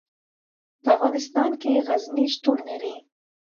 په افغانستان کې غزني شتون لري.